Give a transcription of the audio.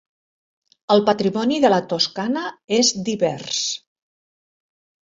El patrimoni de la Toscana és divers.